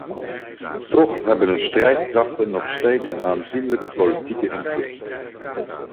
Toch hebben de strijdkrachten nog steeds een aanzienlijke politieke invloed.